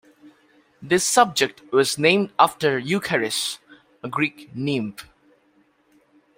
This object was named after Eucharis, a Greek nymph.